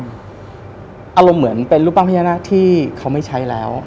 อารมณ์เหมือนเป็นรูปปั้นพญานาคที่เขาไม่ใช้แล้ว